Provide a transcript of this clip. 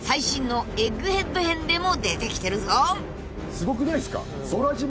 すごくないっすか？